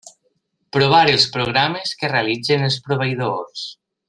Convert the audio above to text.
Provar els programes que realitzen els proveïdors.